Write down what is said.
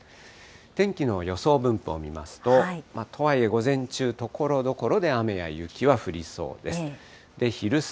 天気の予想分布を見ますと、とはいえ午前中、ところどころで雨や雪は降りそうです。